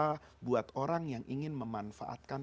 lalu bagaimana cara kita memanfaatkan